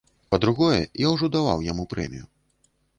Па-другое, я ўжо даваў яму прэмію.